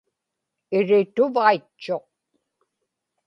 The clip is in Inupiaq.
irituvaitchuq